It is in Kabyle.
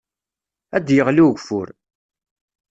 Ad yeɣli ugeffur